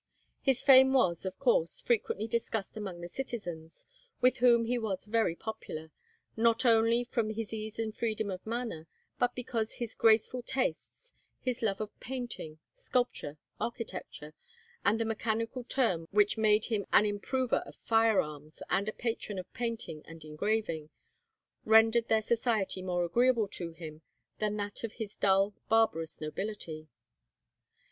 His fame was, of course, frequently discussed among the citizens, with whom he was very popular, not only from his ease and freedom of manner, but because his graceful tastes, his love of painting, sculpture, architecture, and the mechanical turn which made him an improver of fire arms and a patron of painting and engraving, rendered their society more agreeable to him than that of his dull, barbarous nobility.